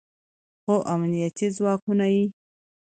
خو امنیتي ځواکونه یې